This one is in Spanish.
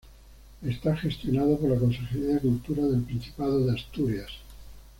Está gestionado por la Consejería de Cultura del Principado de Asturias.